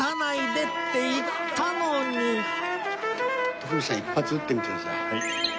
徳光さん一発撃ってみてください。